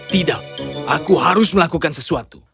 tidak aku harus melakukan sesuatu